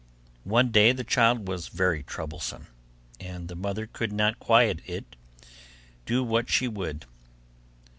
One day the child was very troublesome, and the mother could not quiet it, do what she would.